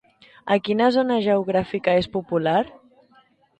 A quina zona geogràfica és popular?